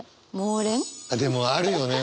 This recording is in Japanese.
でもあるよね。